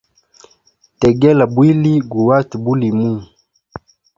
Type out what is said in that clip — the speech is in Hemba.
Tegela bwili guhate bulimuhu.